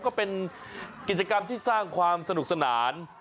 ก็เป็นกิจกรรมที่สร้างความสนุกสนาน